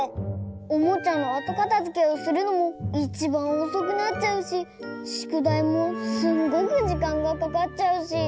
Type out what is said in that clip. おもちゃのあとかたづけをするのもいちばんおそくなっちゃうししゅくだいもすんごくじかんがかかっちゃうし。